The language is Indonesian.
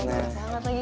masih hangat lagi